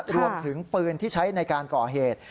รวมถึงปืนที่ใช้ในการก่อเหตุ